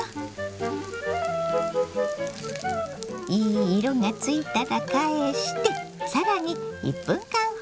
いい色がついたら返して更に１分間ほど焼きます。